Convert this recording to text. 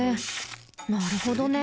なるほどね。